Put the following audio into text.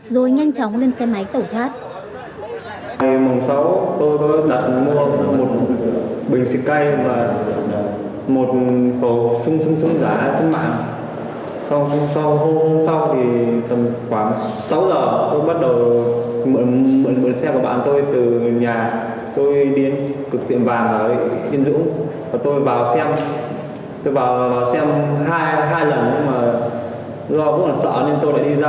rồi nhanh chóng lên xe máy tẩu thoát